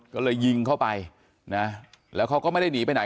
ก็เลยยิงเข้าไปนะแล้วเขาก็ไม่ได้หนีไปไหน